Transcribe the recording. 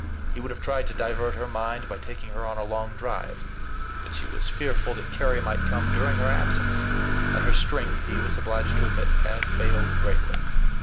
He would have tried to divert her mind by taking her on a long drive; but she was fearful that Carry might come during her absence; and her strength, he was obliged to admit, had failed greatly.